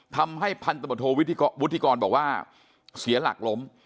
ทำให้พันธุบุฒิกรบอกว่าเสียหลักล้ม